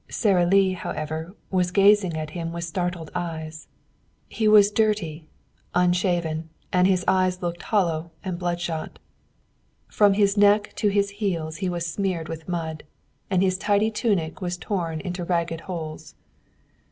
Sara Lee, however, was gazing at him with startled eyes. He was dirty, unshaven, and his eyes looked hollow and bloodshot. From his neck to his heels he was smeared with mud, and his tidy tunic was torn into ragged holes.